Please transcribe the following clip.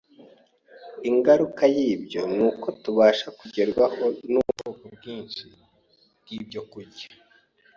Ingaruka y’ibyo, ni uko tubasha kugerwaho n’ubwoko bwinshi bw’ibyokurya